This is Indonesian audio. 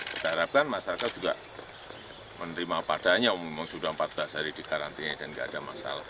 kita harapkan masyarakat juga menerima padanya memang sudah empat belas hari dikarantina dan tidak ada masalah